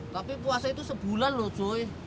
tapi puasa itu sebulan loh joy